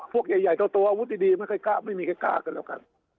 พวกใหญ่เท่าอาวุธดีไม่มีใครกล้ากันแล้วกัน